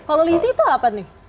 kalau lizzy itu apa nih